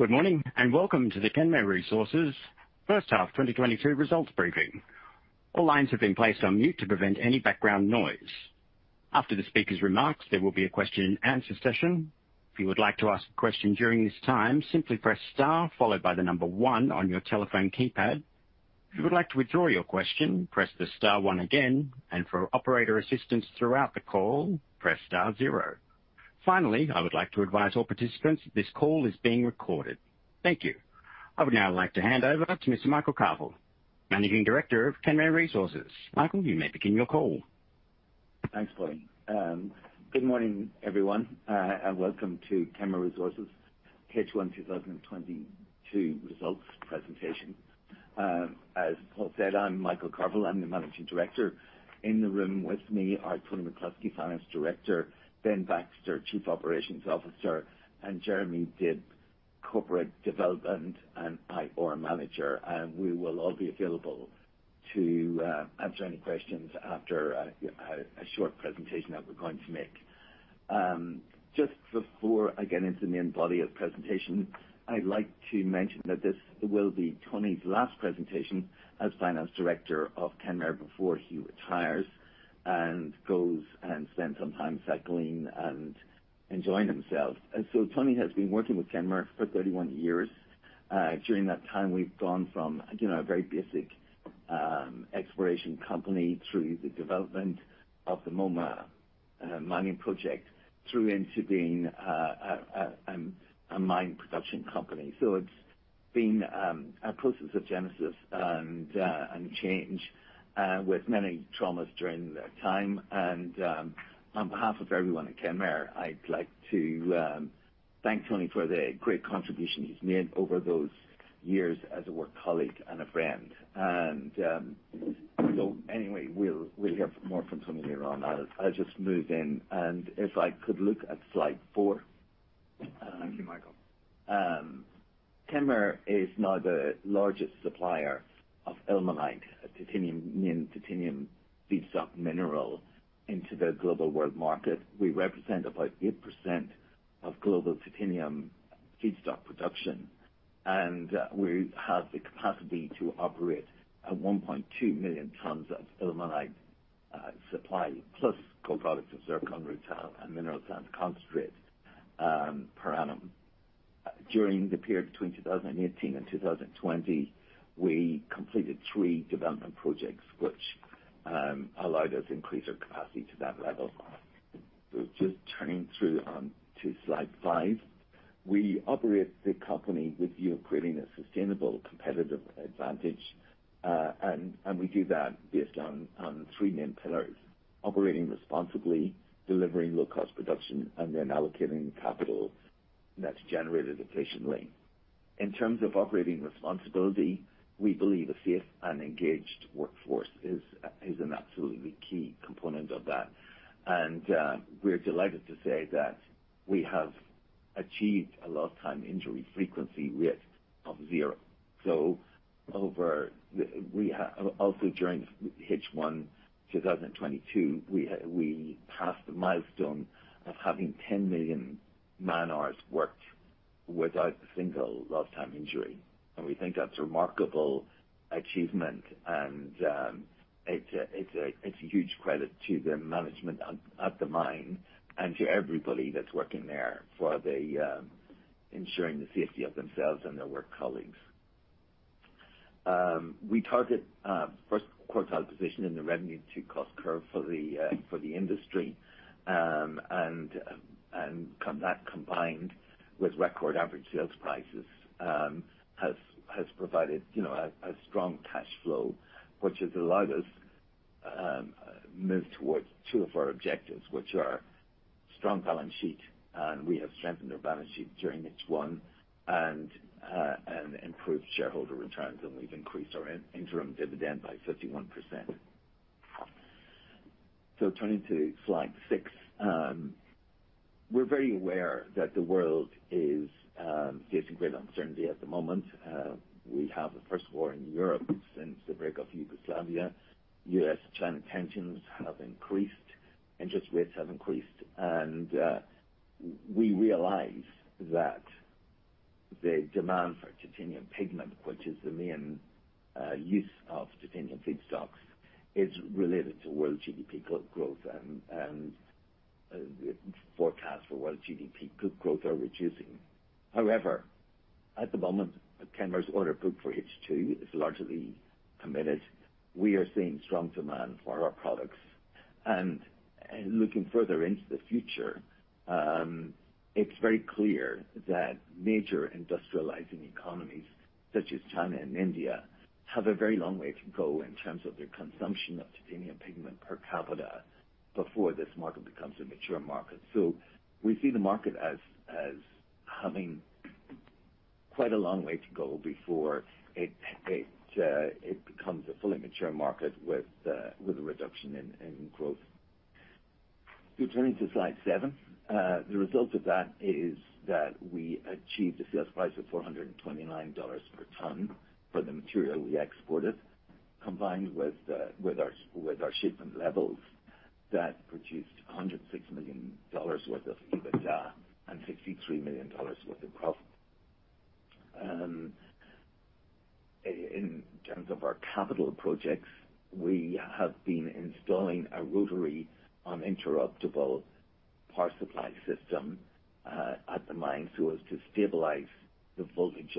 Good morning, and welcome to the Kenmare Resources first half 2022 results briefing. All lines have been placed on mute to prevent any background noise. After the speaker's remarks, there will be a question and answer session. If you would like to ask a question during this time, simply press star followed by the number one on your telephone keypad. If you would like to withdraw your question, press the star one again. For operator assistance throughout the call, press star zero. Finally, I would like to advise all participants this call is being recorded. Thank you. I would now like to hand over to Mr. Michael Carvill, Managing Director of Kenmare Resources. Michael, you may begin your call. Thanks, Paul. Good morning, everyone, and welcome to Kenmare Resources H1 2022 results presentation. As Paul said, I'm Michael Carvill. I'm the Managing Director. In the room with me are Tony McCluskey, Finance Director, Ben Baxter, Chief Operations Officer, and Jeremy Dibb, Corporate Development and Investor Relations Manager. We will all be available to answer any questions after a short presentation that we're going to make. Just before I get into the main body of presentation, I'd like to mention that this will be Tony's last presentation as Finance Director of Kenmare before he retires and goes and spends some time cycling and enjoying himself. Tony has been working with Kenmare for 31 years. During that time, we've gone from, you know, a very basic exploration company through the development of the Moma mining project, through into being a mining production company. It's been a process of genesis and change with many traumas during that time. On behalf of everyone at Kenmare, I'd like to thank Tony for the great contribution he's made over those years as a work colleague and a friend. Anyway, we'll hear more from Tony later on. I'll just move in. If I could look at slide four. Thank you, Michael. Kenmare is now the largest supplier of ilmenite, a titanium, main titanium feedstock mineral into the global world market. We represent about 8% of global titanium feedstock production, and we have the capacity to operate at 1.2 million tons of ilmenite supply, plus co-products of zircon, rutile, and mineral sand concentrate per annum. During the period between 2018 and 2020, we completed three development projects which allowed us to increase our capacity to that level. Just turning through to slide 5. We operate the company with view of creating a sustainable competitive advantage, and we do that based on three main pillars, operating responsibly, delivering low cost production, and then allocating capital that's generated efficiently. In terms of operating responsibility, we believe a safe and engaged workforce is an absolutely key component of that. We're delighted to say that we have achieved a lost time injury frequency rate of zero. Also during H1 2022, we passed the milestone of having 10 million man-hours worked without a single lost time injury. We think that's a remarkable achievement and it's a huge credit to the management at the mine and to everybody that's working there for ensuring the safety of themselves and their work colleagues. We target a first quartile position in the revenue to cost curve for the industry. That combined with record average sales prices has provided, you know, a strong cash flow, which has allowed us move towards two of our objectives, which are strong balance sheet, and we have strengthened our balance sheet during H1, and improved shareholder returns, and we've increased our interim dividend by 51%. Turning to slide six. We're very aware that the world is facing great uncertainty at the moment. We have the first war in Europe since the breakup of Yugoslavia. U.S., China tensions have increased. Interest rates have increased. We realize that the demand for titanium pigment, which is the main use of titanium feedstocks, is related to world GDP growth, and forecasts for world GDP growth are reducing. However, at the moment, Kenmare's order book for H2 is largely committed. We are seeing strong demand for our products. Looking further into the future, it's very clear that major industrializing economies such as China and India have a very long way to go in terms of their consumption of titanium pigment per capita before this market becomes a mature market. We see the market as having quite a long way to go before it becomes a fully mature market with a reduction in growth. Turning to slide 7. The result of that is that we achieved a sales price of $429 per ton for the material we exported, combined with our shipment levels. That produced $106 million worth of EBITDA and $63 million worth of profit. In terms of our capital projects, we have been installing a Rotary Uninterruptible Power Supply system at the mine so as to stabilize the voltage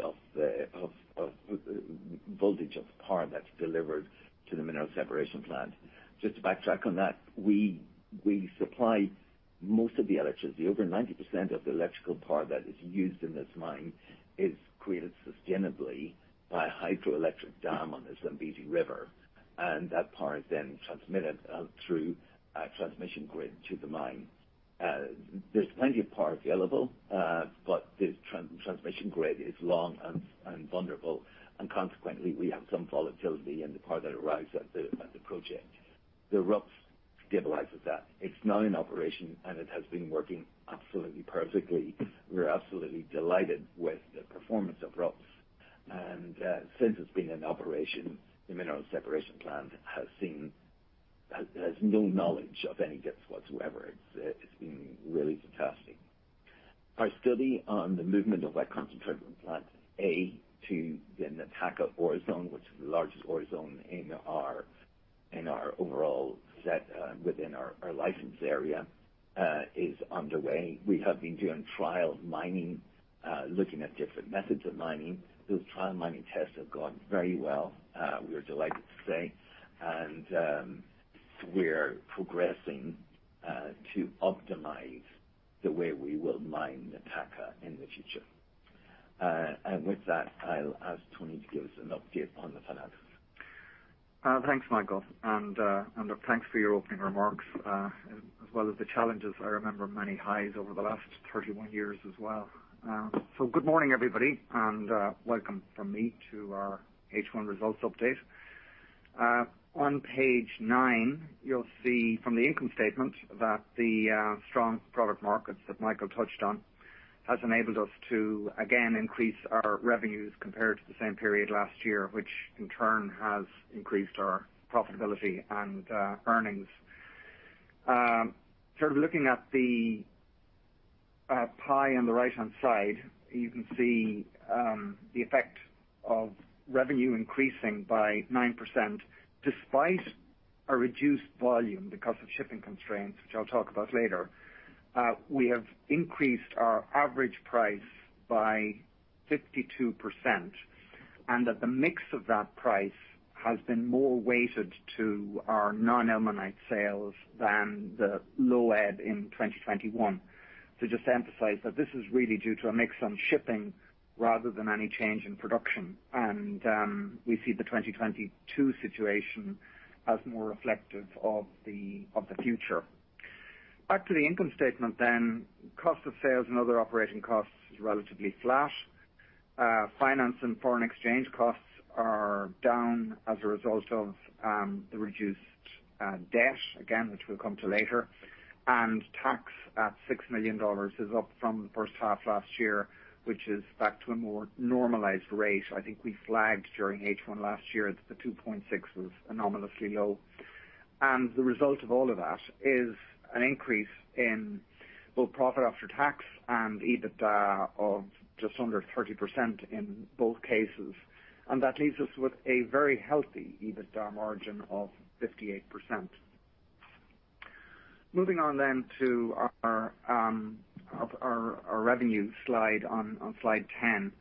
of power that's delivered to the mineral separation plant. Just to backtrack on that, we supply most of the electricity. Over 90% of the electrical power that is used in this mine is created sustainably by a hydroelectric dam on the Zambezi River, and that power is then transmitted through a transmission grid to the mine. There's plenty of power available, but the transmission grid is long and vulnerable, and consequently, we have some volatility in the power that arrives at the project. The RUPS stabilizes that. It's now in operation, and it has been working absolutely perfectly. We're absolutely delighted with the performance of RUPS. Since it's been in operation, the mineral separation plant has no knowledge of any dips whatsoever. It's been really fantastic. Our study on the movement of our concentrate from Plant A to the Namalope ore zone, which is the largest ore zone in our overall set within our licensed area, is underway. We have been doing trial mining looking at different methods of mining. Those trial mining tests have gone very well, we are delighted to say. We're progressing to optimize the way we will mine Namalope in the future. With that, I'll ask Tony to give us an update on the finances. Thanks, Michael. Thanks for your opening remarks. As well as the challenges, I remember many highs over the last 31 years as well. Good morning, everybody, and welcome from me to our H1 results update. On page 9, you'll see from the income statement that the strong product markets that Michael touched on has enabled us to again increase our revenues compared to the same period last year, which in turn has increased our profitability and earnings. Sort of looking at the pie on the right-hand side, you can see the effect of revenue increasing by 9% despite a reduced volume because of shipping constraints, which I'll talk about later. We have increased our average price by 52%, and that the mix of that price has been more weighted to our non-ilmenite sales than the low end in 2021. To just emphasize that this is really due to a mix on shipping rather than any change in production. We see the 2022 situation as more reflective of the future. Back to the income statement then. Cost of sales and other operating costs is relatively flat. Finance and foreign exchange costs are down as a result of the reduced debt, again, which we'll come to later. Tax at $6 million is up from the first half last year, which is back to a more normalized rate. I think we flagged during H1 last year that the $2.6 million was anomalously low. The result of all of that is an increase in both profit after tax and EBITDA of just under 30% in both cases. That leaves us with a very healthy EBITDA margin of 58%. Moving on then to our revenue slide on slide 10.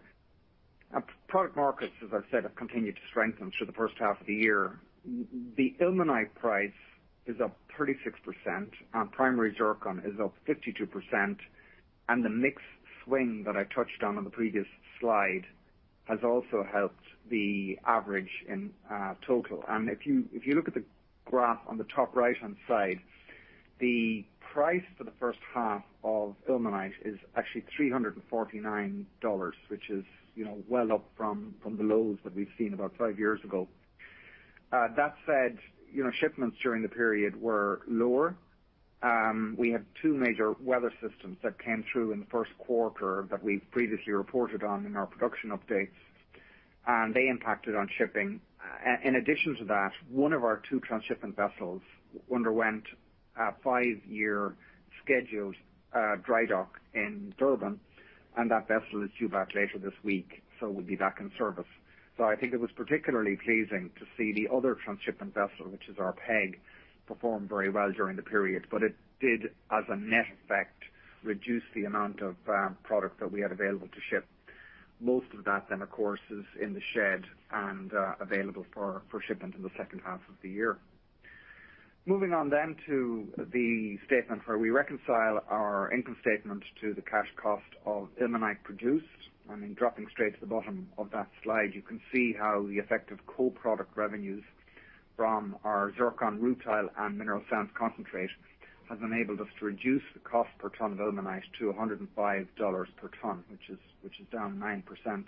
Our product markets, as I've said, have continued to strengthen through the first half of the year. The ilmenite price is up 36%, and primary zircon is up 52%. The mix swing that I touched on on the previous slide has also helped the average in total. If you look at the graph on the top right-hand side, the price for the first half of ilmenite is actually $349, which is, you know, well up from the lows that we've seen about 5 years ago. That said, you know, shipments during the period were lower. We had two major weather systems that came through in the first quarter that we previously reported on in our production updates, and they impacted on shipping. In addition to that, one of our two transshipment vessels underwent a five-year scheduled dry dock in Durban, and that vessel is due back later this week, so will be back in service. I think it was particularly pleasing to see the other transshipment vessel, which is our PEG, perform very well during the period. But it did, as a net effect, reduce the amount of product that we had available to ship. Most of that, of course, is in the shed and available for shipment in the second half of the year. Moving on to the statement where we reconcile our income statement to the cash cost of ilmenite produced. I mean, dropping straight to the bottom of that slide, you can see how the effect of co-product revenues from our zircon, rutile, and mineral sands concentrate has enabled us to reduce the cost per ton of ilmenite to $105 per ton, which is down 9%.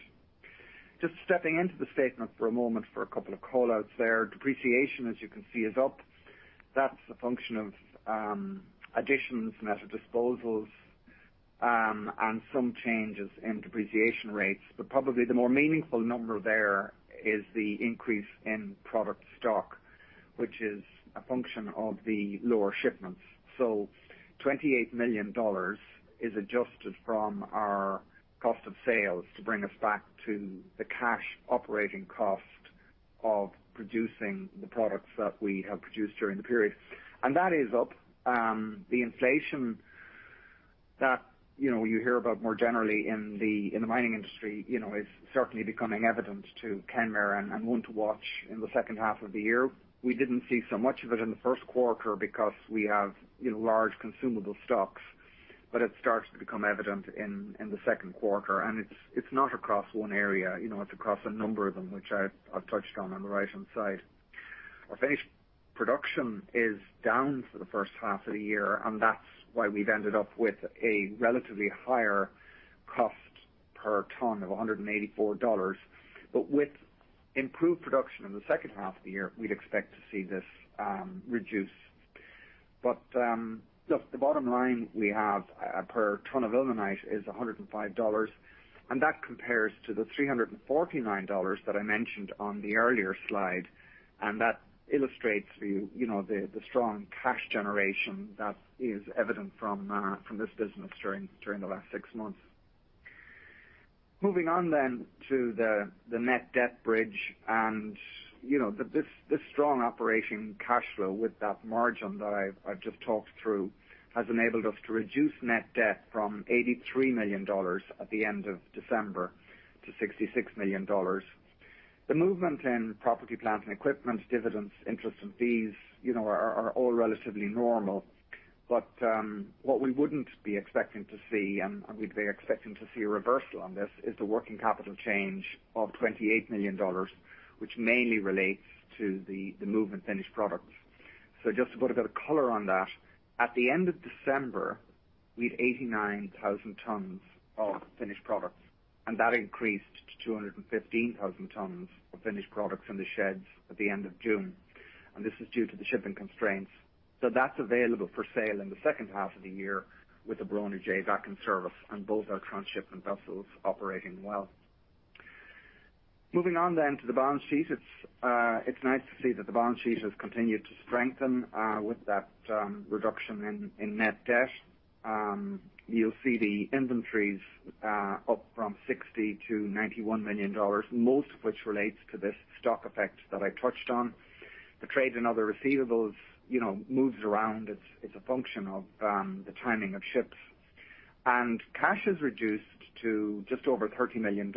Just stepping into the statement for a moment for a couple of call-outs there. Depreciation, as you can see, is up. That's a function of additions and asset disposals, and some changes in depreciation rates, but probably the more meaningful number there is the increase in product stock, which is a function of the lower shipments. $28 million is adjusted from our cost of sales to bring us back to the cash operating cost of producing the products that we have produced during the period. That is up, the inflation that, you know, you hear about more generally in the mining industry, you know, is certainly becoming evident to Kenmare and one to watch in the second half of the year. We didn't see so much of it in the first quarter because we have, you know, large consumable stocks, but it starts to become evident in the second quarter. It's not across one area, you know, it's across a number of them, which I've touched on the right-hand side. Our face production is down for the first half of the year, and that's why we've ended up with a relatively higher cost per ton of $184. With improved production in the second half of the year, we'd expect to see this reduce. Look, the bottom line we have per ton of ilmenite is $105, and that compares to the $349 that I mentioned on the earlier slide. That illustrates for you know, the strong cash generation that is evident from this business during the last six months. Moving on to the net debt bridge and, you know, this strong operating cash flow with that margin that I've just talked through has enabled us to reduce net debt from $83 million at the end of December to $66 million. The movement in property, plant, and equipment, dividends, interest, and fees, you know, are all relatively normal. What we wouldn't be expecting to see, and we'd be expecting to see a reversal on this, is the working capital change of $28 million, which mainly relates to the movement in finished product. Just to put a bit of color on that, at the end of December, we had 89,000 tons of finished products, and that increased to 215,000 tons of finished products in the sheds at the end of June. This is due to the shipping constraints. That's available for sale in the second half of the year with the Bronagh J back in service and both our transshipment vessels operating well. Moving on to the balance sheet, it's nice to see that the balance sheet has continued to strengthen with that reduction in net debt. You'll see the inventories up from $60 million-$91 million, most of which relates to this stock effect that I touched on. The trades and other receivables, you know, moves around. It's a function of the timing of ships. Cash is reduced to just over $30 million.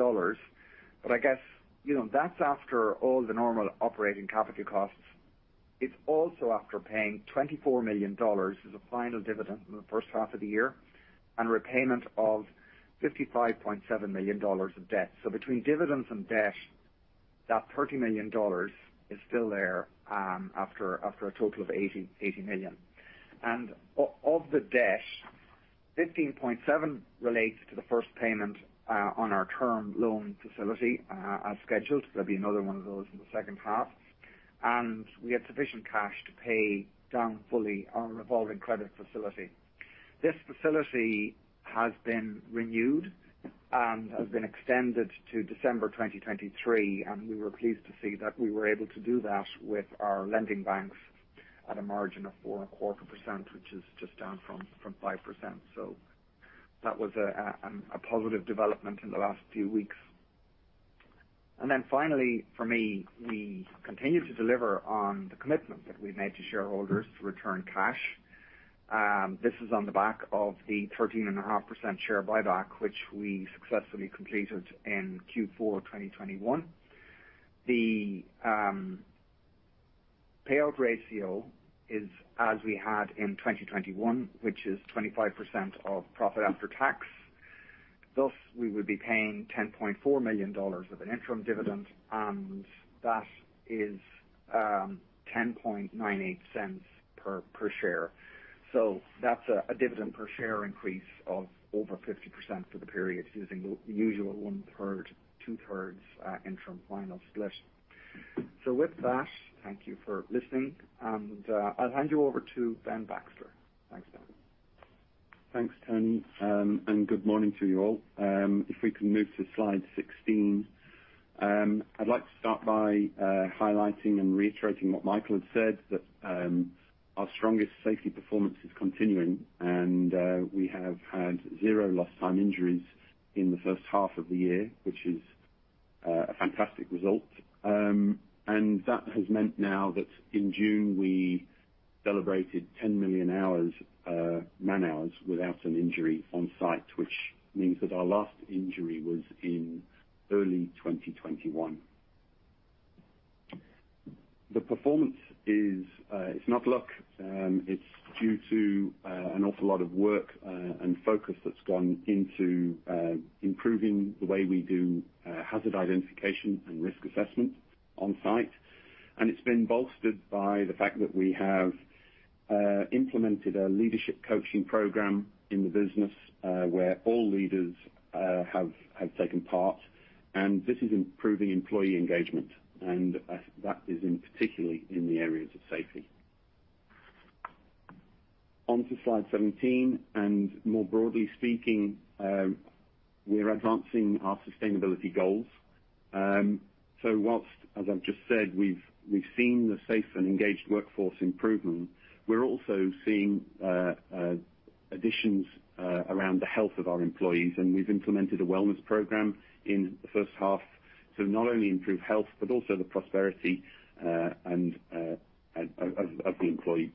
I guess, you know, that's after all the normal operating capital costs. It's also after paying $24 million as a final dividend in the first half of the year and repayment of $55.7 million of debt. Between dividends and debt, that $30 million is still there, after a total of $80 million. Of the debt, 15.7 relates to the first payment on our term loan facility, as scheduled. There'll be another one of those in the second half. We had sufficient cash to pay down fully our revolving credit facility. This facility has been renewed and has been extended to December 2023, and we were pleased to see that we were able to do that with our lending banks at a margin of 4.25%, which is just down from 5%. That was a positive development in the last few weeks. Finally for me, we continue to deliver on the commitment that we've made to shareholders to return cash. This is on the back of the 13.5% share buyback, which we successfully completed in Q4 of 2021. The payout ratio is as we had in 2021, which is 25% of profit after tax. Thus, we would be paying $10.4 million of an interim dividend, and that is $0.1098 per share. That's a dividend per share increase of over 50% for the period using the usual one-third, two-thirds interim final split. With that, thank you for listening, and I'll hand you over to Ben Baxter. Thanks, Ben. Thanks, Tony, and good morning to you all. If we can move to slide 16. I'd like to start by highlighting and reiterating what Michael had said, that our strongest safety performance is continuing and we have had 0 lost time injuries in the first half of the year, which is a fantastic result. That has meant now that in June we celebrated 10 million man hours without an injury on site, which means that our last injury was in early 2021. The performance is, it's not luck. It's due to an awful lot of work and focus that's gone into improving the way we do hazard identification and risk assessment on site. It's been bolstered by the fact that we have implemented a leadership coaching program in the business, where all leaders have taken part, and this is improving employee engagement, and that is particularly in the areas of safety. On to slide 17. More broadly speaking, we're advancing our sustainability goals. So while, as I've just said, we've seen the safe and engaged workforce improvement, we're also seeing additions around the health of our employees, and we've implemented a wellness program in the first half to not only improve health but also the prosperity of the employees.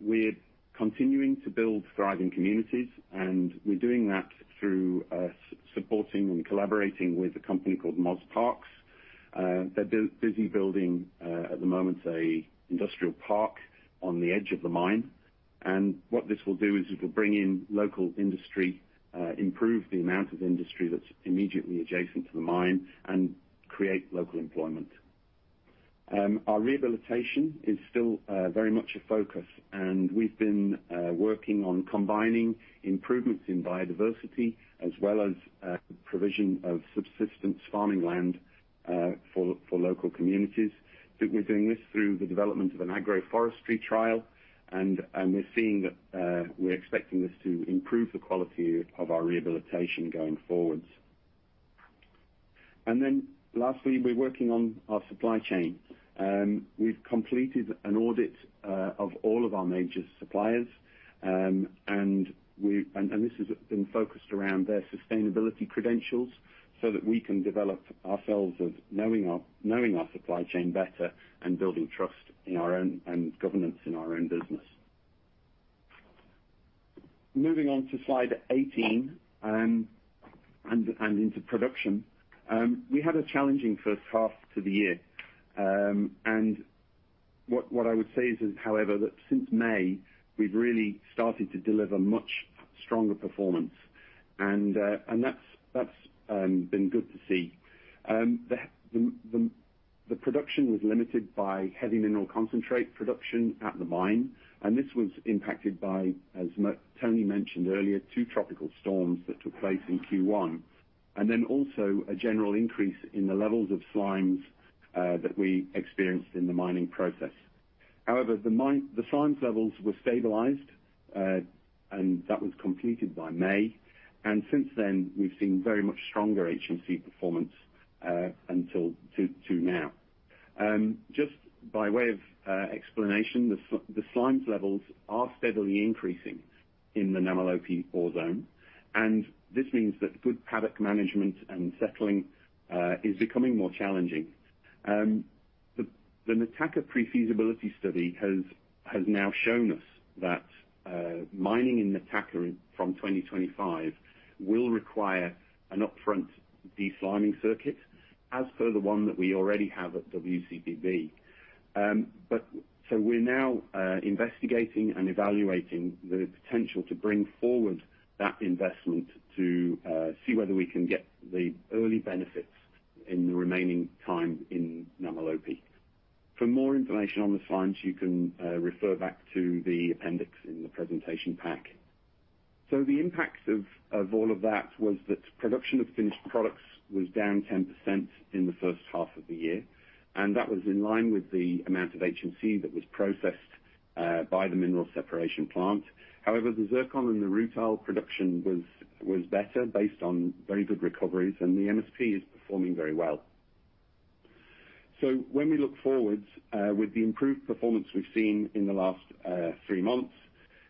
We're continuing to build thriving communities, and we're doing that through supporting and collaborating with a company called MozParks. They're busy building, at the moment, an industrial park on the edge of the mine. What this will do is it will bring in local industry, improve the amount of industry that's immediately adjacent to the mine and create local employment. Our rehabilitation is still very much a focus, and we've been working on combining improvements in biodiversity as well as provision of subsistence farming land for local communities. We're doing this through the development of an agroforestry trial, and we're seeing that we're expecting this to improve the quality of our rehabilitation going forwards. Then lastly, we're working on our supply chain. We've completed an audit of all of our major suppliers, and this has been focused around their sustainability credentials so that we can develop ourselves of knowing our supply chain better and building trust in our own, and governance in our own business. Moving on to slide 18 and into production. We had a challenging first half to the year. What I would say is however, that since May we've really started to deliver much stronger performance and that's been good to see. Production was limited by heavy mineral concentrate production at the mine, and this was impacted by, as Tony mentioned earlier, two tropical storms that took place in Q1 and then also a general increase in the levels of slimes that we experienced in the mining process. However, the slimes levels were stabilized, and that was completed by May, and since then we've seen very much stronger HMC performance until now. Just by way of explanation, the slimes levels are steadily increasing in the Namalope ore zone, and this means that good paddock management and settling is becoming more challenging. Nataka pre-feasibility study has now shown us that mining in Nataka from 2025 will require an upfront desliming circuit as per the one that we already have at WCP B. We're now investigating and evaluating the potential to bring forward that investment to see whether we can get the early benefits in the remaining time in Namalope. For more information on the slimes, you can refer back to the appendix in the presentation pack. The impact of all of that was that production of finished products was down 10% in the first half of the year, and that was in line with the amount of HMC that was processed by the mineral separation plant. However, the zircon and the rutile production was better based on very good recoveries, and the MSP is performing very well. When we look forwards with the improved performance we've seen in the last three months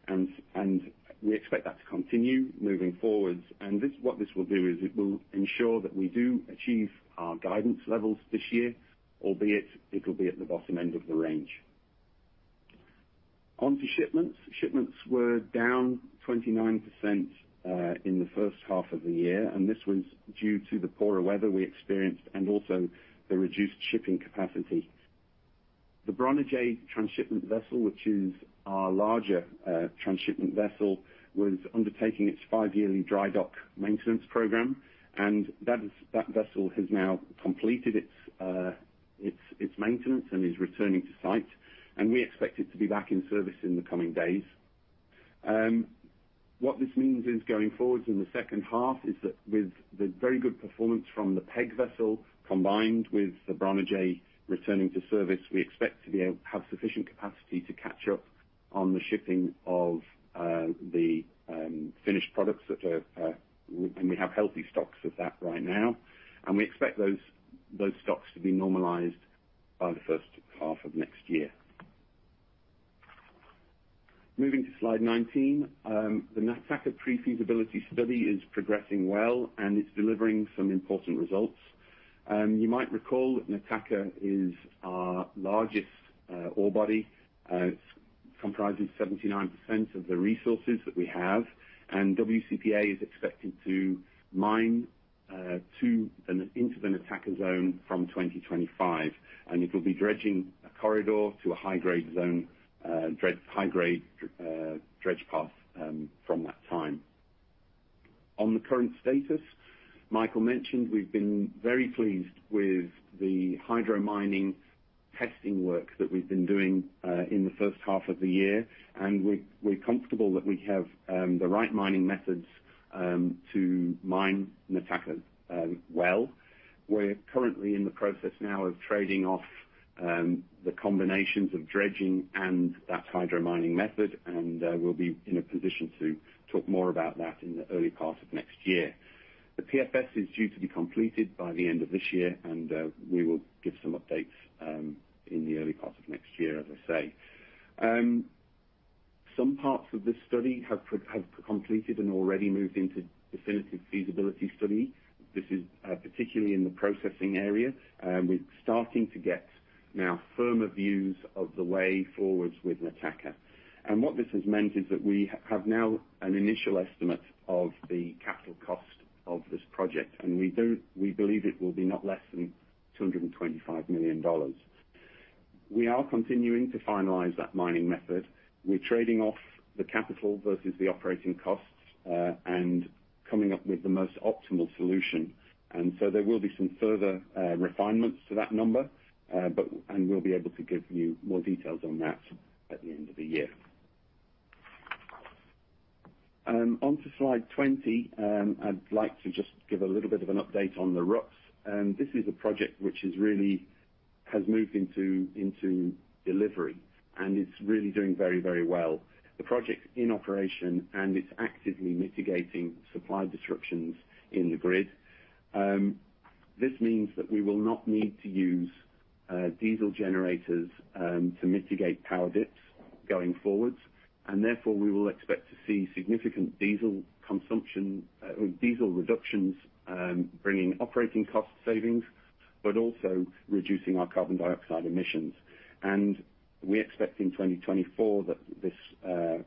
and we expect that to continue moving forwards, and this, what this will do is it will ensure that we do achieve our guidance levels this year, albeit it'll be at the bottom end of the range. On to shipments. Shipments were down 29% in the first half of the year, and this was due to the poorer weather we experienced and also the reduced shipping capacity. The Bronagh transshipment vessel, which is our larger transshipment vessel, was undertaking its five-yearly dry dock maintenance program, and that vessel has now completed its maintenance and is returning to site, and we expect it to be back in service in the coming days. What this means is going forward in the second half is that with the very good performance from the PEG vessel combined with the Bronagh returning to service, we expect to have sufficient capacity to catch up on the shipping of the finished products, and we have healthy stocks of that right now. We expect those stocks to be normalized by the first half of next year. Moving to slide 19. The Nataka pre-feasibility study is progressing well, and it's delivering some important results. You might recall that Namalope is our largest ore body. It comprises 79% of the resources that we have, and WCP A is expected to mine into the Namalope zone from 2025, and it will be dredging a corridor to a high-grade dredge path from that time. On the current status, Michael Carvill mentioned we've been very pleased with the hydro mining testing work that we've been doing in the first half of the year. We're comfortable that we have the right mining methods to mine Namalope well. We're currently in the process now of trading off the combinations of dredging and that hydro mining method, and we'll be in a position to talk more about that in the early part of next year. The PFS is due to be completed by the end of this year, and we will give some updates in the early part of next year, as I say. Some parts of this study have completed and already moved into definitive feasibility study. This is particularly in the processing area, and we're starting to get now firmer views of the way forwards with Nataka. What this has meant is that we have now an initial estimate of the capital cost of this project, and we believe it will be not less than $225 million. We are continuing to finalize that mining method. We're trading off the capital versus the operating costs, and coming up with the most optimal solution. There will be some further refinements to that number, and we'll be able to give you more details on that at the end of the year. Onto slide 20. I'd like to just give a little bit of an update on the RUPS. This is a project which really has moved into delivery, and it's really doing very well. The project's in operation, and it's actively mitigating supply disruptions in the grid. This means that we will not need to use diesel generators to mitigate power dips going forward. Therefore, we will expect to see significant diesel consumption, diesel reductions, bringing operating cost savings, but also reducing our carbon dioxide emissions. We expect in 2024 that this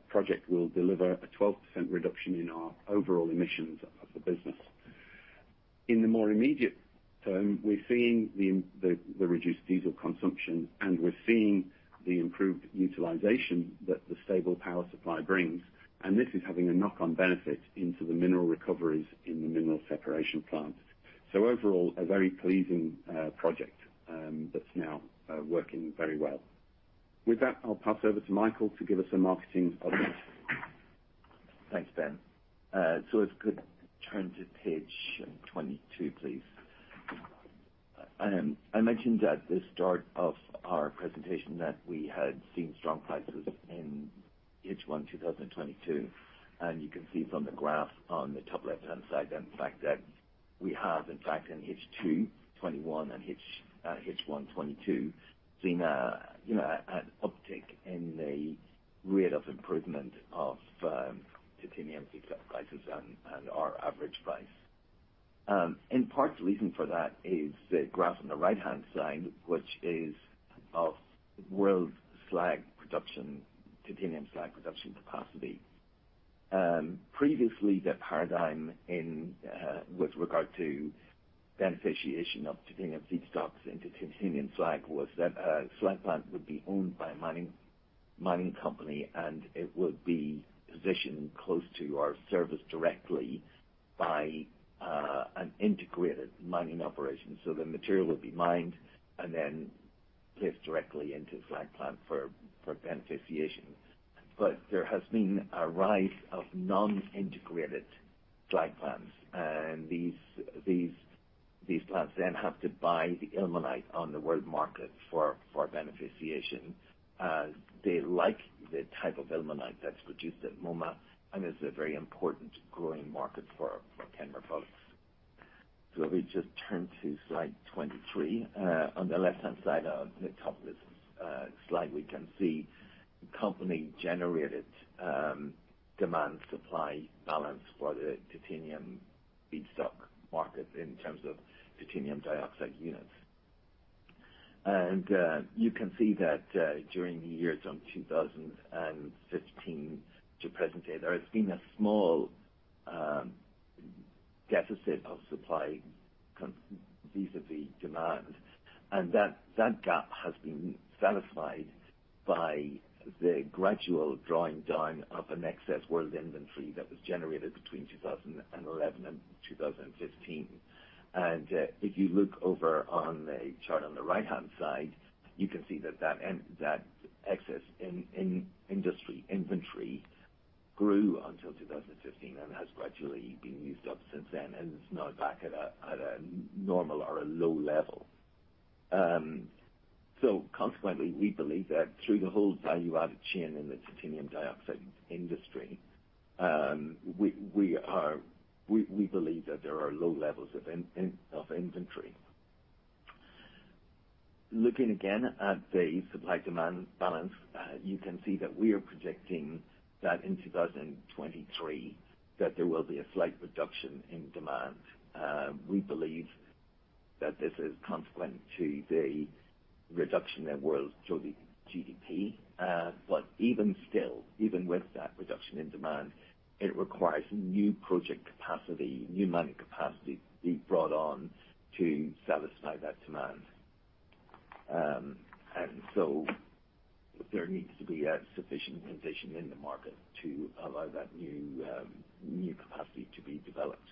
project will deliver a 12% reduction in our overall emissions of the business. In the more immediate term, we're seeing the reduced diesel consumption, and we're seeing the improved utilization that the stable power supply brings, and this is having a knock-on benefit into the mineral recoveries in the mineral separation plant. Overall, a very pleasing project that's now working very well. With that, I'll pass over to Michael to give us a marketing update. Thanks, Ben. If we could turn to page 22, please. I mentioned at the start of our presentation that we had seen strong prices in H1 2022, and you can see from the graph on the top left-hand side the fact that we have, in fact, in H2 2021 and H1 2022, seen a, you know, an uptick in the rate of improvement of titanium feed prices and our average price. In part, the reason for that is the graph on the right-hand side, which is of world slag production, titanium slag production capacity. Previously, the paradigm in with regard to beneficiation of titanium feedstocks into titanium slag was that a slag plant would be owned by a mining company, and it would be positioned close to or serviced directly by an integrated mining operation. The material would be mined and then placed directly into the slag plant for beneficiation. There has been a rise of non-integrated slag plants, and these plants then have to buy the ilmenite on the world market for beneficiation, as they like the type of ilmenite that's produced at Moma and is a very important growing market for Kenmare products. If we just turn to slide 23. On the left-hand side of the top of this slide, we can see company-generated demand supply balance for the titanium feedstock market in terms of titanium dioxide units. You can see that during the years from 2015 to present day, there has been a small deficit of supply vis-à-vis demand. That gap has been satisfied by the gradual drawing down of an excess world inventory that was generated between 2011 and 2015. If you look over on the chart on the right-hand side, you can see that excess in industry inventory grew until 2015 and has gradually been used up since then, and it's now back at a normal or a low level. Consequently, we believe that through the whole value-added chain in the titanium dioxide industry, we believe that there are low levels of inventory. Looking again at the supply-demand balance, you can see that we are projecting that in 2023, there will be a slight reduction in demand. We believe that this is consequent to the reduction in world GDP, but even still, even with that reduction in demand, it requires new project capacity, new mining capacity be brought on to satisfy that demand. There needs to be a sufficient position in the market to allow that new capacity to be developed.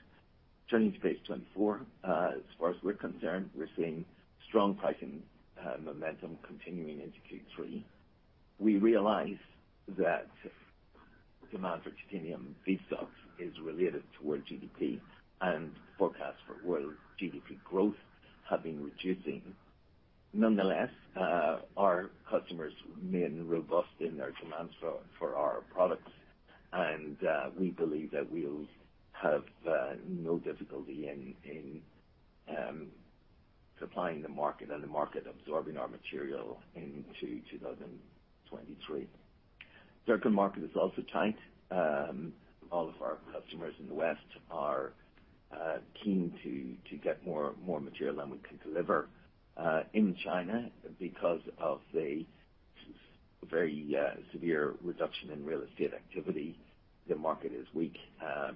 Turning to page 24. As far as we're concerned, we're seeing strong pricing momentum continuing into Q3. We realize that demand for titanium feedstocks is related to world GDP, and forecasts for world GDP growth have been reducing. Nonetheless, our customers remain robust in their demands for our products, and we believe that we'll have no difficulty in supplying the market and the market absorbing our material into 2023. Zircon market is also tight. All of our customers in the West are keen to get more material than we can deliver. In China, because of the very severe reduction in real estate activity, the market is weak,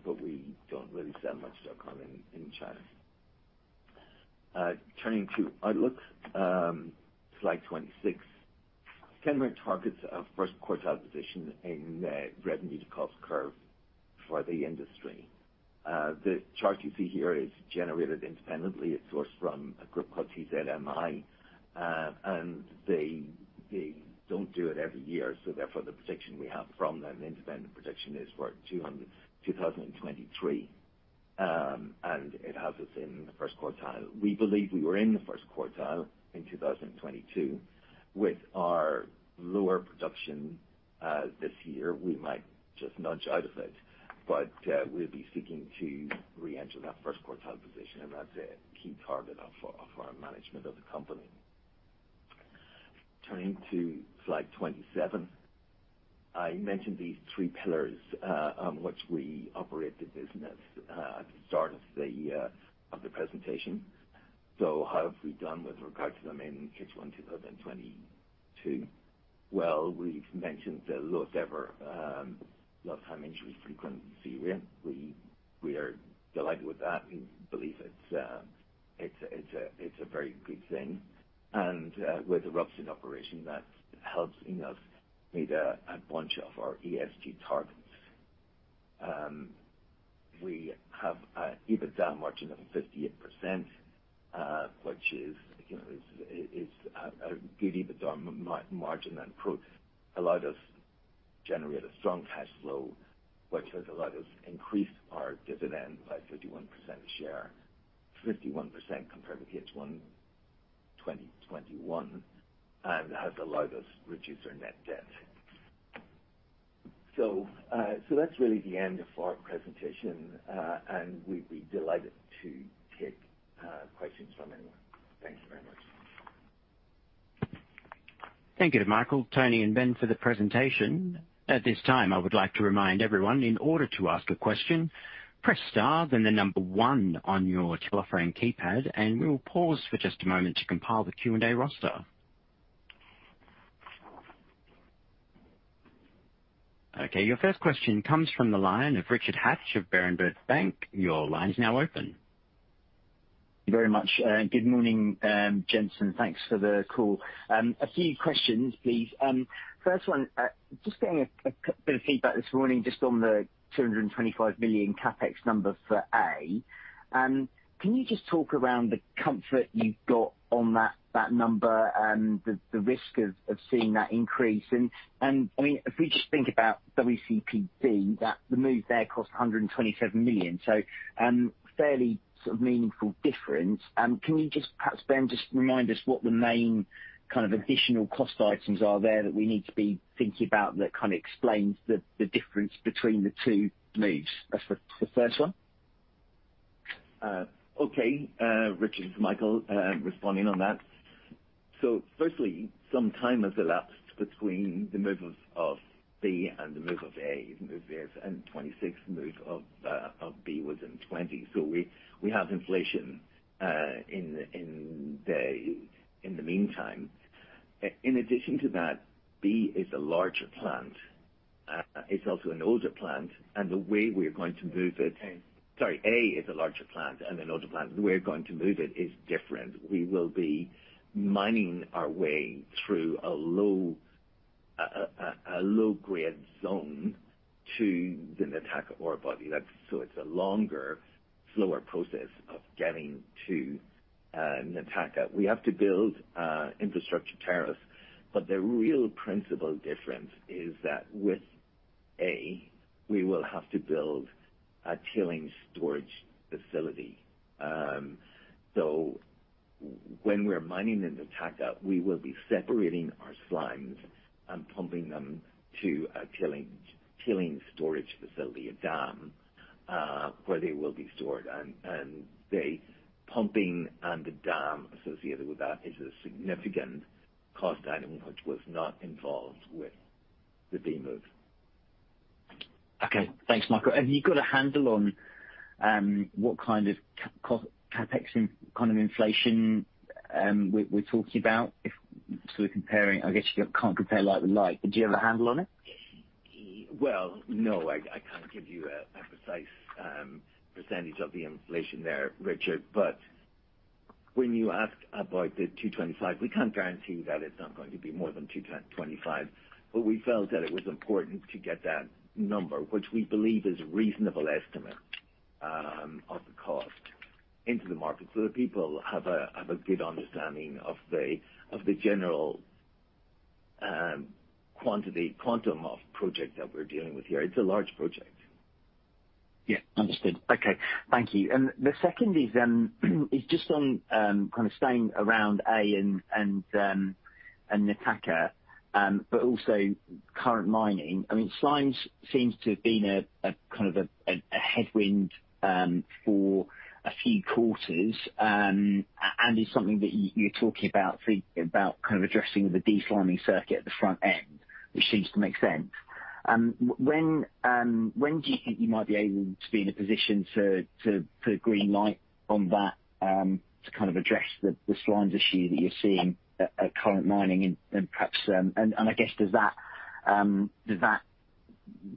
but we don't really sell much zircon in China. Turning to outlook. Slide 26. Kenmare targets a first quartile position in the revenue to cost curve for the industry. The chart you see here is generated independently. It's sourced from a group called TZMI, and they don't do it every year, so therefore the prediction we have from them, independent prediction, is for 2023. And it has us in the first quartile. We believe we were in the first quartile in 2022. With our lower production, this year, we might just nudge out of it, but, we'll be seeking to re-enter that first quartile position, and that's a key target of our management of the company. Turning to slide 27. I mentioned these three pillars on which we operate the business at the start of the presentation. How have we done with regard to them in Q1 2022? Well, we've mentioned the lowest ever lost time injury frequency rate. We are delighted with that and believe it's a very good thing. With the RUPS in operation, that helps us meet a bunch of our ESG targets. We have a EBITDA margin of 58%, which is, you know, a good EBITDA margin and allowed us generate a strong cash flow, which has allowed us increase our dividend by 51% a share. 51% compared to Q1 2021, and has allowed us reduce our net debt. That's really the end of our presentation, and we'd be delighted to take questions from anyone. Thank you very much. Thank you to Michael, Tony, and Ben for the presentation. At this time, I would like to remind everyone, in order to ask a question, press star then the number one on your telephone keypad, and we will pause for just a moment to compile the Q&A roster. Okay, your first question comes from the line of Richard Hatch of Berenberg Bank. Your line is now open. Very much. Good morning, gents, and thanks for the call. A few questions, please. First one, just getting a bit of feedback this morning just on the $225 million CapEx number for A. Can you just talk around the comfort you've got on that number and the risk of seeing that increase? I mean, if we just think about WCPB, that the move there cost $127 million, so fairly sort of meaningful difference. Can you just perhaps, Ben, just remind us what the main kind of additional cost items are there that we need to be thinking about that kind of explains the difference between the two moves? That's the first one. Okay. Richard, it's Michael responding on that. Firstly, some time has elapsed between the move of B and the move of A. The move there is in 2026, the move of B was in 2020. We have inflation in the meantime. In addition to that, B is a larger plant. It's also an older plant, and the way we're going to move it. A. Sorry, A is a larger plant and an older plant. The way we're going to move it is different. We will be mining our way through a low-grade zone to the Nataka ore body. That's why it's a longer, slower process of getting to Nataka. We have to build infrastructure tariffs, but the real principal difference is that with A, we will have to build a tailings storage facility. When we're mining in Nataka, we will be separating our slimes and pumping them to a tailings storage facility, a dam, where they will be stored. The pumping and the dam associated with that is a significant cost item which was not involved with the B move. Okay. Thanks, Michael. Have you got a handle on what kind of CapEx in kind of inflation we're talking about if we're comparing? I guess you can't compare like with like, but do you have a handle on it? Well, no, I can't give you a precise percentage of the inflation there, Richard. When you ask about the 225, we can't guarantee that it's not going to be more than 210-225. We felt that it was important to get that number, which we believe is a reasonable estimate of the cost into the market so that people have a good understanding of the general quantum of project that we're dealing with here. It's a large project. Yeah. Understood. Okay. Thank you. The second is just on kind of staying around WCP A and Namalope, but also current mining. I mean, slimes seems to have been a kind of headwind for a few quarters. It's something that you're talking about kind of addressing the desliming circuit at the front end, which seems to make sense. When do you think you might be able to be in a position to green light on that to kind of address the slimes issue that you're seeing at current mining and perhaps. I guess, does that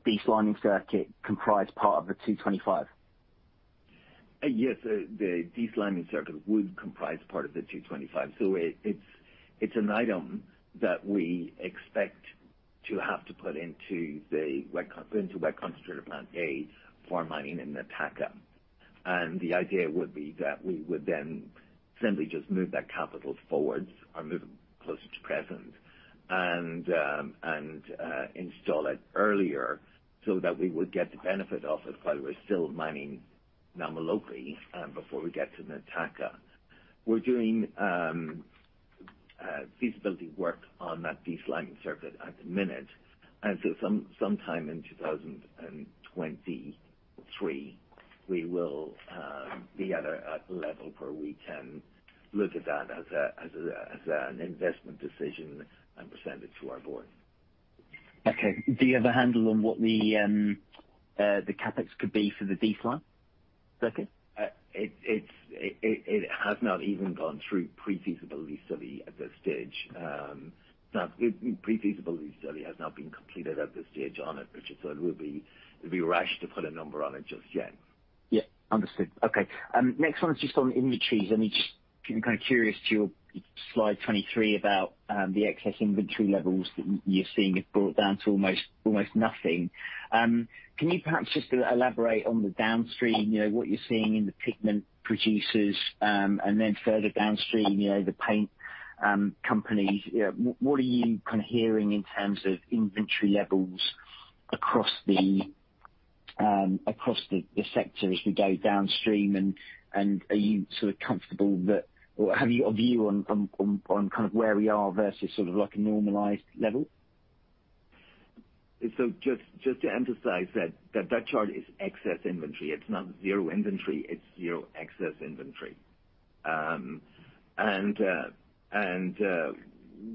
desliming circuit comprise part of the $225? Yes, the desliming circuit would comprise part of the $225. It’s an item that we expect to have to put into Wet Concentrator Plant A for mining in Nataka. The idea would be that we would then simply just move that capital forward or move them closer to present and install it earlier so that we would get the benefit of it while we're still mining Namalope before we get to Nataka. We're doing feasibility work on that desliming circuit at the minute. Sometime in 2023, we will be at a level where we can look at that as an investment decision and present it to our board. Okay. Do you have a handle on what the CapEx could be for the desliming circuit? It has not even gone through pre-feasibility study at this stage. Now pre-feasibility study has not been completed at this stage on it, Richard, so it would be rash to put a number on it just yet. Yeah. Understood. Okay. Next one is just on inventories. I'm just kind of curious to your slide 23 about the excess inventory levels that you're seeing have brought down to almost nothing. Can you perhaps just elaborate on the downstream, you know, what you're seeing in the pigment producers, and then further downstream, you know, the paint companies? You know, what are you kind of hearing in terms of inventory levels across the sector as we go downstream, and are you sort of comfortable that or have you a view on kind of where we are versus sort of like a normalized level? Just to emphasize that chart is excess inventory. It's not zero inventory, it's zero excess inventory.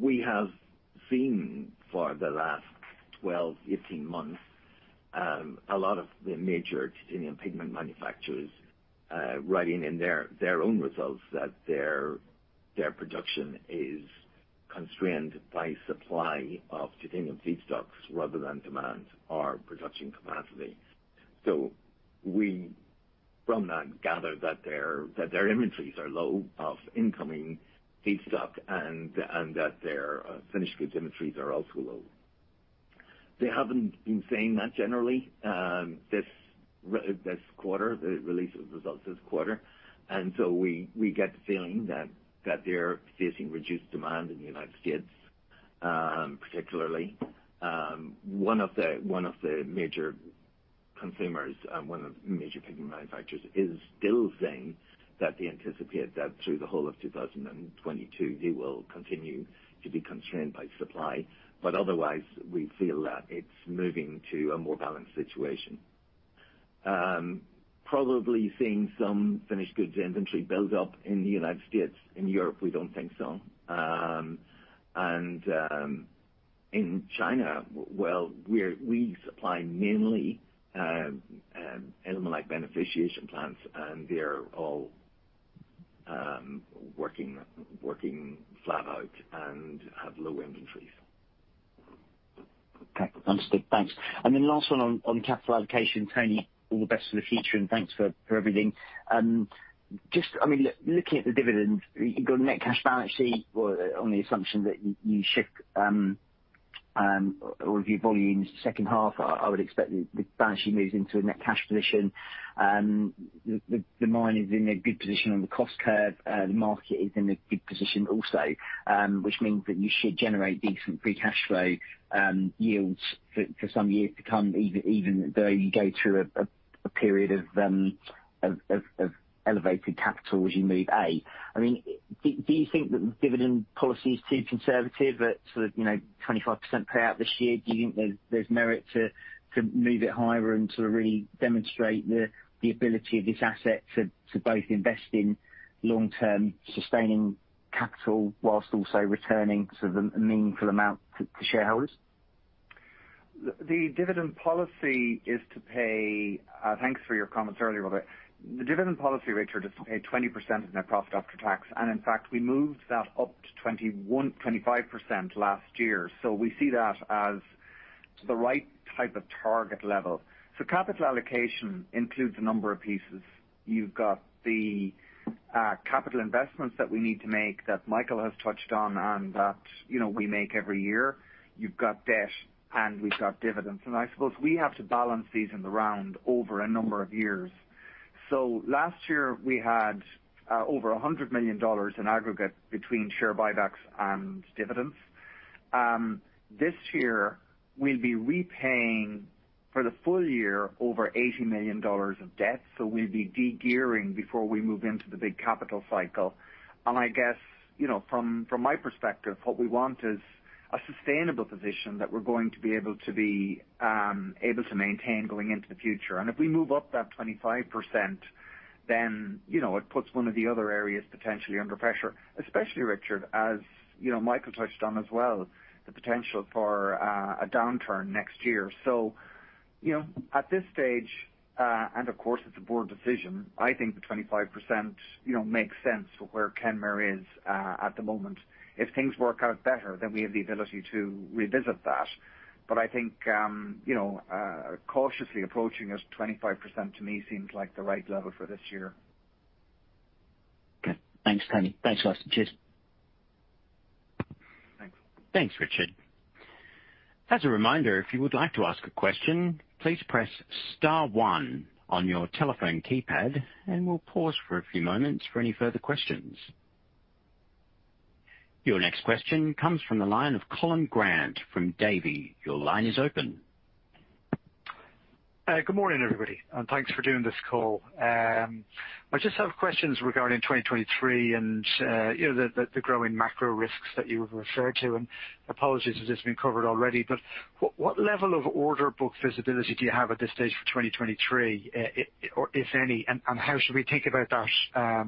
We have seen for the last 12-18 months a lot of the major titanium pigment manufacturers writing in their own results that their production is constrained by supply of titanium feedstocks rather than demand or production capacity. We from that gather that their inventories are low of incoming feedstock and that their finished goods inventories are also low. They haven't been saying that generally this quarter, the release of results this quarter. We get the feeling that they're facing reduced demand in the United States, particularly. One of the major pigment manufacturers is still saying that they anticipate that through the whole of 2022, they will continue to be constrained by supply. Otherwise, we feel that it's moving to a more balanced situation. Probably seeing some finished goods inventory build up in the United States. In Europe, we don't think so. In China, we supply mainly ilmenite beneficiation plants, and they're all working flat out and have low inventories. Okay. Understood. Thanks. Last one on capital allocation. Tony, all the best for the future, and thanks for everything. Just, I mean, looking at the dividend, you've got a net cash balance sheet. Well, on the assumption that you ship all of your volumes second half, I would expect the balance sheet moves into a net cash position. The mine is in a good position on the cost curve. The market is in a good position also, which means that you should generate decent free cash flow yields for some years to come, even though you go through a period of elevated capital as you move A. I mean, do you think that the dividend policy is too conservative at sort of, you know, 25% payout this year? Do you think there's merit to move it higher and to really demonstrate the ability of this asset to both invest in long-term sustaining capital whilst also returning sort of a meaningful amount to shareholders? Thanks for your comments earlier, by the way. The dividend policy, Richard, is to pay 20% of net profit after tax, and in fact, we moved that up to 25% last year. We see that as the right type of target level. Capital allocation includes a number of pieces. You've got the capital investments that we need to make that Michael has touched on and that, you know, we make every year. You've got debt, and we've got dividends. I suppose we have to balance these in the round over a number of years. Last year, we had over $100 million in aggregate between share buybacks and dividends. This year we'll be repaying for the full year over $80 million of debt. We'll be de-gearing before we move into the big capital cycle. I guess, you know, from my perspective, what we want is a sustainable position that we're going to be able to maintain going into the future. If we move up that 25%, then, you know, it puts one of the other areas potentially under pressure, especially, Richard, as you know, Michael touched on as well, the potential for a downturn next year. You know, at this stage, and of course, it's a board decision, I think the 25% makes sense for where Kenmare is at the moment. If things work out better, then we have the ability to revisit that. I think, you know, cautiously approaching this 25% to me seems like the right level for this year. Okay. Thanks, Tony. Thanks a lot. Cheers. Thanks. Thanks, Richard. As a reminder, if you would like to ask a question, please press star one on your telephone keypad, and we'll pause for a few moments for any further questions. Your next question comes from the line of Colin Grant from Davy. Your line is open. Good morning, everybody, and thanks for doing this call. I just have questions regarding 2023 and, you know, the growing macro risks that you've referred to. Apologies if this has been covered already, but what level of order book visibility do you have at this stage for 2023, if any? How should we think about that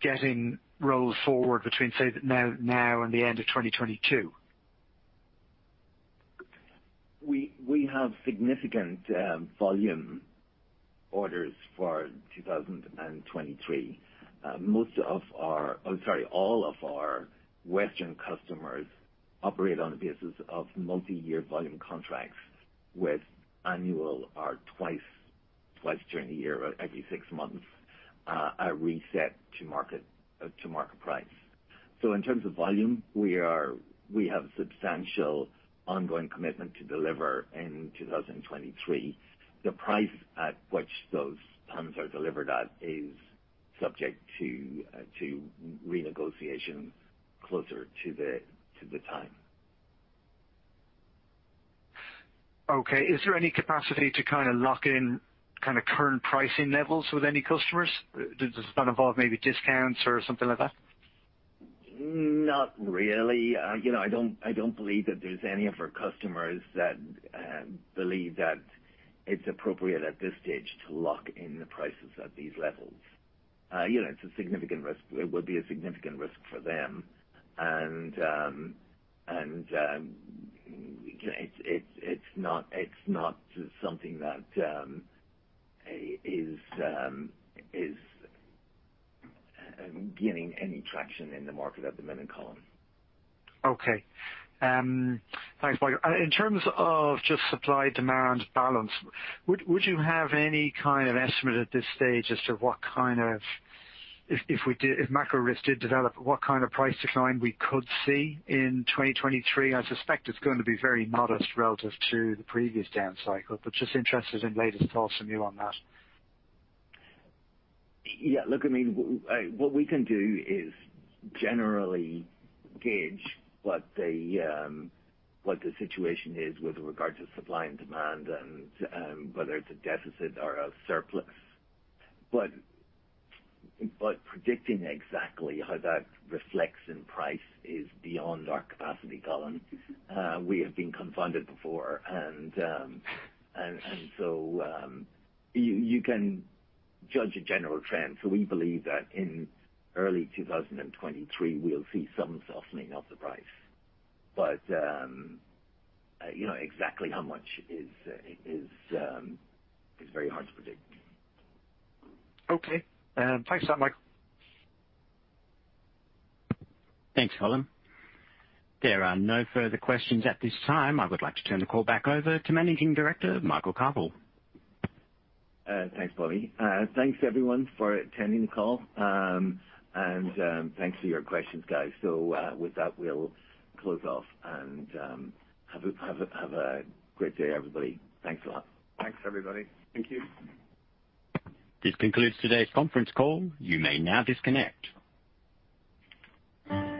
getting rolled forward between, say, now and the end of 2022? We have significant volume orders for 2023. All of our Western customers operate on the basis of multi-year volume contracts with annual or twice during the year, every six months, a reset to market price. In terms of volume, we have substantial ongoing commitment to deliver in 2023. The price at which those plans are delivered at is subject to renegotiation closer to the time. Okay. Is there any capacity to kinda lock in kinda current pricing levels with any customers? Does this involve maybe discounts or something like that? Not really. You know, I don't believe that there's any of our customers that believe that it's appropriate at this stage to lock in the prices at these levels. You know, it's a significant risk. It would be a significant risk for them. It's not something that is gaining any traction in the market at the minute, Colin. Thanks, Michael. In terms of just supply-demand balance, would you have any kind of estimate at this stage as to what kind of price decline we could see in 2023 if macro risks did develop? I suspect it's going to be very modest relative to the previous down cycle, but just interested in latest thoughts from you on that. Yeah. Look, I mean, what we can do is generally gauge what the situation is with regard to supply and demand and whether it's a deficit or a surplus. Predicting exactly how that reflects in price is beyond our capacity, Colin. We have been confounded before. You can judge a general trend. We believe that in early 2023, we'll see some softening of the price. You know, exactly how much is very hard to predict. Okay. Thanks a lot, Michael. Thanks, Colin. There are no further questions at this time. I would like to turn the call back over to Managing Director, Michael Carvill. Thanks, Bobby. Thanks everyone for attending the call. Thanks for your questions, guys. With that, we'll close off and have a great day, everybody. Thanks a lot. Thanks, everybody. Thank you. This concludes today's conference call. You may now disconnect.